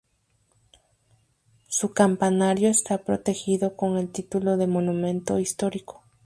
Su campanario está protegido con el título de Monumento Histórico.